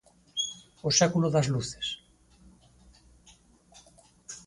O século das luces.